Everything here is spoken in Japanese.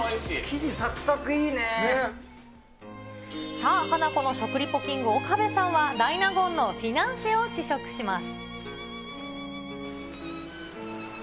さあ、ハナコの食リポキング、岡部さんは、大納言のフィナンシェを試食します。